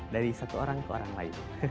dari satu orang ke orang lain